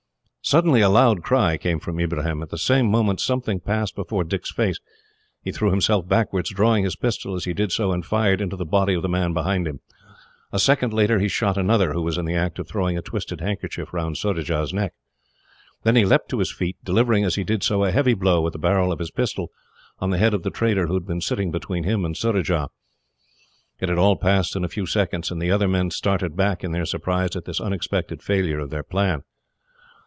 Suddenly a loud cry came from Ibrahim. At the same moment something passed before Dick's face. He threw himself backwards, drawing his pistol as he did so, and fired into the body of the man behind him. A second later he shot another, who was in the act of throwing a twisted handkerchief round Surajah's neck. Then he leapt to his feet, delivering, as he did so, a heavy blow, with the barrel of his pistol, on the head of the trader who had been sitting between him and Surajah. It had all passed in a few seconds, and the other men started back, in their surprise at this unexpected failure of their plan.